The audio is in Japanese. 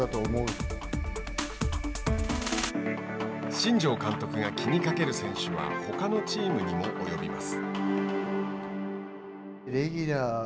新庄監督が気にかける選手はほかのチームにも及びます。